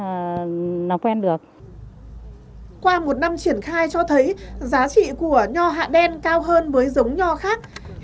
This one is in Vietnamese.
một số tỉnh thành trong cả nước đã triển khai mô hình này tại xã bình dương huyện gia bình